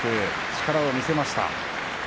力を見せました。